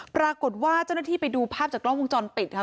ปรากฏว่าเจ้าหน้าที่ไปดูภาพจากกล้องวงจรปิดค่ะ